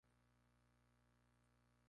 Fue un golpe muy duro.